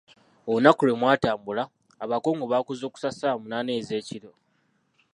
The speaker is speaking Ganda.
Olunaku lwe mwatambula, abakulu baakuzukusa ssawa munaana ezeekiro.